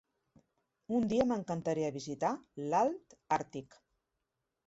Un dia m'encantaria visitar l'alt Arctic.